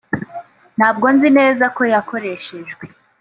ntabwo nzi neza ko yakoreshejwe